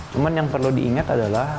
cuma yang perlu diingat adalah